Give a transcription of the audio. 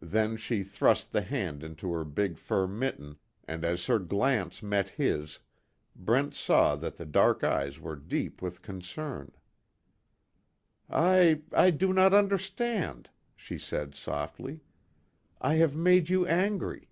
Then she thrust the hand into her big fur mitten, and as her glance met his, Brent saw that the dark eyes were deep with concern: "I I do not understand," she said, softly. "I have made you angry.